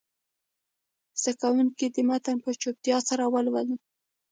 زده کوونکي دې متن په چوپتیا سره ولولي.